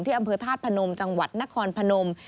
อำเภอธาตุพนมจังหวัดนครพนม